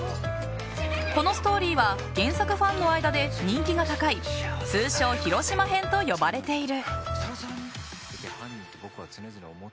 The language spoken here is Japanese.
このストーリーは原作ファンの間で人気が高い通称、広島編と呼ばれている。